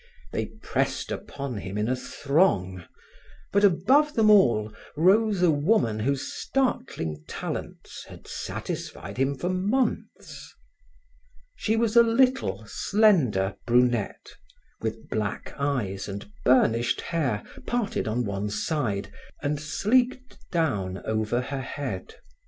They pressed upon him in a throng; but above them all rose a woman whose startling talents had satisfied him for months. She was a little, slender brunette, with black eyes and burnished hair parted on one side and sleeked down over her head.